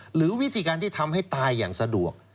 หรือวิธีการที่ทำให้ตายอย่างสะดวก